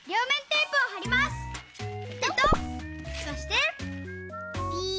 そしてピ。